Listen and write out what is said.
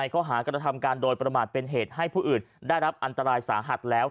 ข้อหากระทำการโดยประมาทเป็นเหตุให้ผู้อื่นได้รับอันตรายสาหัสแล้ว